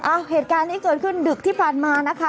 เหตุการณ์นี้เกิดขึ้นดึกที่ผ่านมานะคะ